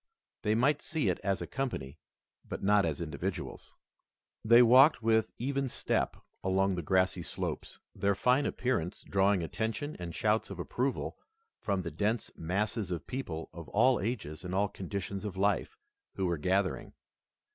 They might see it as a company, but not as individuals. They walked with even step along the grassy slopes, their fine appearance drawing attention and shouts of approval from the dense masses of people of all ages and all conditions of life who were gathering.